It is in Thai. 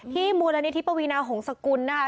ที่มูลนิธิปวีนาของสกุลนะ